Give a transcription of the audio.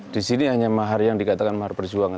di sini hanya mahar yang dikatakan mahar perjuangan